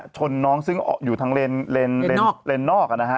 ชนน้องซึ่งอยู่ทางเลนส์นอกนะฮะ